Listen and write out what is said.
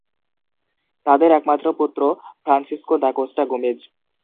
তাদের একমাত্র পুত্র ফ্রান্সিসকো দা কোস্টা গোমেজ।